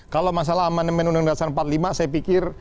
kalau masalah amandemen undang undang dasar empat puluh lima saya pikir